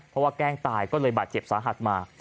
เพราะว่าแกล้งตายก็เลยบาดเจ็บสาหัสมา